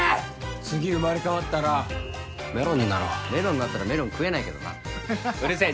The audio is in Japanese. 次生まれ変わったらメロンになろうメロンになったらメロン食えないけどなうるせえ